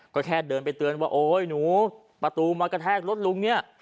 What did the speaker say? ก็แค่เดินไปเตือนว่าโอ๊ยหนูประตูมากระแทกรถลุงเนี่ย